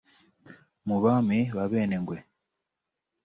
Mu Bami b’Abenengwe